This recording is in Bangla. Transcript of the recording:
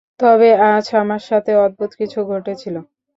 তবে আজ আমার সাথে অদ্ভুত কিছু ঘটেছিল।